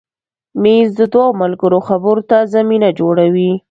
مېز د دوو ملګرو خبرو ته زمینه جوړوي.